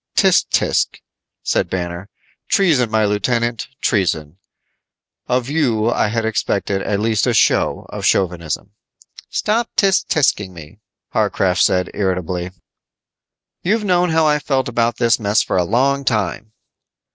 "Tch, tch," said Banner, "treason, my lieutenant, treason. Of you I had expected at least a show of chauvinism." "Stop _tch tch_ing me," Warcraft said irritably. "You've known how I felt about this mess for a long time."